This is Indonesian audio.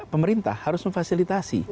pemerintah harus memfasilitasi